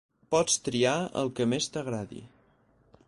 Pots triar el que més t'agradi.